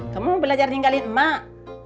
kamu belajar tinggalin mak